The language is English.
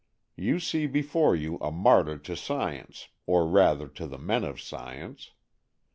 You see before you a martyr to science, or rather to the men of science.